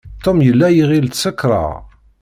Tom yella iɣill tsekṛeḍ.